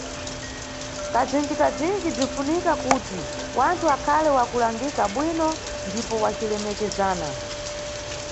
Kazinjikazinji, bzinʼfunika kuti wanthu akhale wa kulangika bwino ndipo wacilemekezana.